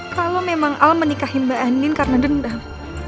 kalau memang al menikahi mbak anin karena dendam